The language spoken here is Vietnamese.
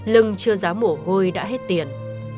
lừng trưa giáo mổ hôi đã hết tiền